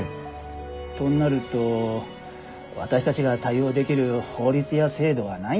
となると私たちが対応できる法律や制度はないんですよ。